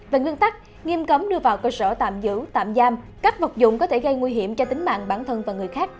về nguyên tắc nghiêm cấm đưa vào cơ sở tạm giữ tạm giam các vật dụng có thể gây nguy hiểm cho tính mạng bản thân và người khác